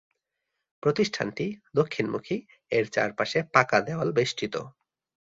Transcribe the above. প্রতিষ্ঠানটি দক্ষিণমুখী, এর চারপাশে পাকা দেওয়াল বেষ্টিত।